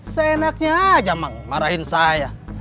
seenaknya aja mang marahin saya